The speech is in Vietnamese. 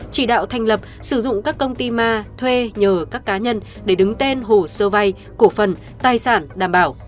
chỉ đạo thành lập sử dụng các công ty ma thuê nhờ các cá nhân để đứng tên hồ sơ vay cổ phần tài sản đảm bảo